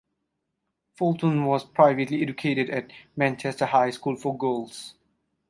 Fulton was privately educated at Manchester High School for Girls.